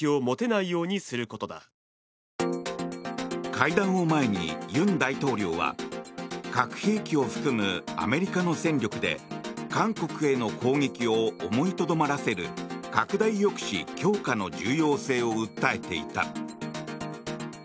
会談を前に、尹大統領は核兵器を含むアメリカの戦力で韓国への攻撃を思いとどまらせる拡大抑止強化の重要性を訴えていた。